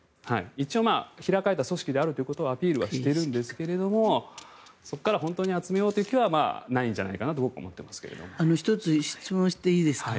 一応、開かれた組織であるというアピールはしているんですがそこから本当に集めようという気はないんじゃないかなと思っていますけど。